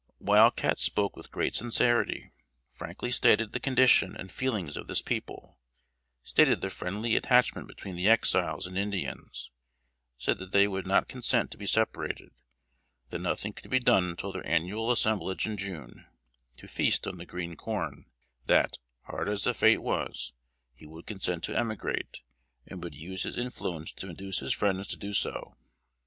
Wild Cat spoke with great sincerity; frankly stated the condition and feelings of this people; stated the friendly attachment between the Exiles and Indians; said that they would not consent to be separated; that nothing could be done until their annual assemblage in June, to feast on the green corn; that, hard as the fate was, he would consent to emigrate, and would use his influence to induce his friends to do so.